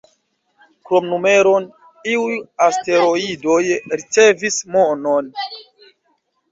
Krom numeron, iuj asteroidoj ricevis nomon.